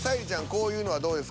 こういうのはどうですか？